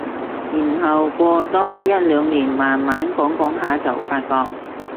然後過多一兩年慢慢講講下就發覺